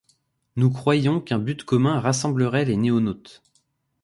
Nous croyions qu’un but commun rassemblerait les NoéNautes.